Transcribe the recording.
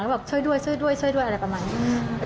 บอกช่วยด้วยช่วยด้วยช่วยด้วยอะไรประมาณนี้